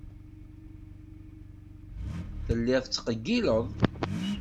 Telliḍ tettqeyyileḍ.